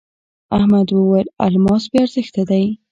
احمد وويل: الماس بې ارزښته دی.